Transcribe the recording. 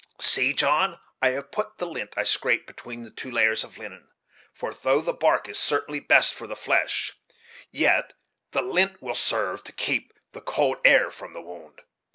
See, John, I have put the lint I scraped between two layers of the linen; for though the bark is certainly best for the flesh, yet the lint will serve to keep the cold air from the wound.